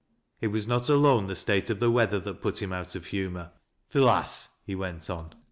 It was not alone the state of the weathei that put hiji out of humor. "Th' lass," he went on.